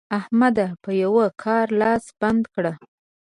احمده! په یوه کار لاس بنده کړه.